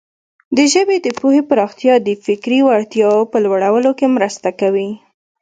د ژبې د پوهې پراختیا د فکري وړتیاوو په لوړولو کې مرسته کوي.